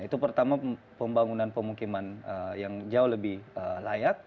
itu pertama pembangunan pemukiman yang jauh lebih layak